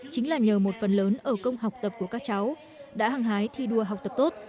chính là nhờ một phần lớn ở công học tập của các cháu đã hăng hái thi đua học tập tốt